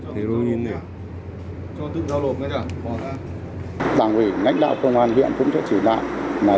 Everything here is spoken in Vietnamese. đảng ủy ngãnh đạo công an huyện cũng đã chỉ đạo